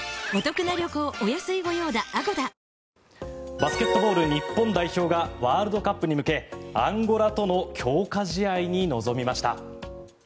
バスケットボール日本代表がワールドカップに向けアンゴラとの強化試合に臨みました。